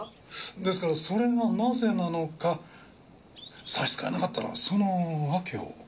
ですからそれがなぜなのか差し支えなかったらその訳を。